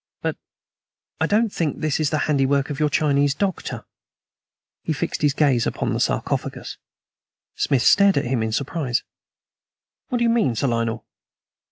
But I don't think this is the handiwork of your Chinese doctor." He fixed his gaze upon the sarcophagus. Smith stared at him in surprise. "What do you mean, Sir Lionel?"